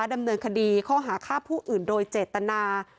ดำเนินคดีข้อหาฆ่าผู้อื่นโดยเจตนา